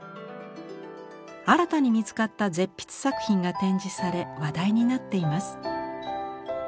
新たに見つかった絶筆作品が展示され話題になっています。